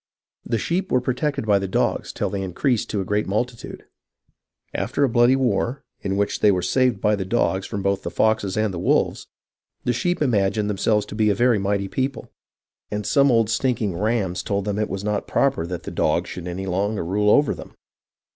The sheep were protected by the dogs till they increased to a great multitude. After a bloody war, in which they were saved by the dogs from both the foxes and the wolves, the sheep imagined themselves to be a very mighty people, and some old stinking rams told them it was not proper that the dogs should any longer rule over them.